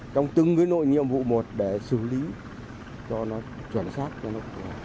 trong từng cái nội nhiệm vụ một để xử lý cho nó chuẩn sát cho nó